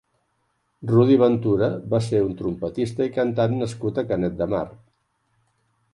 Rudy Ventura va ser un trompetista i cantant nascut a Canet de Mar.